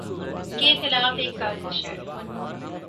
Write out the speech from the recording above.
کے خلاف ایک سازش ہے۔